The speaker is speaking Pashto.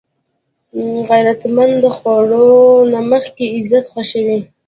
غیرتمند د خوړو نه مخکې عزت خوښوي